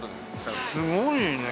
すごいね。